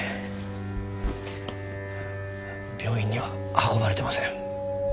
病院には運ばれてません。